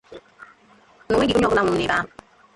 na o nweghị onye ọbụla nwụrụ n'ebe ahụ